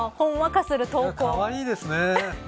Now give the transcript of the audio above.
かわいいですね。